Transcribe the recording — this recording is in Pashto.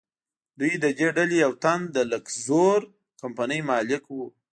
دوی له دې ډلې یو تن د لکزور کمپنۍ مالک و.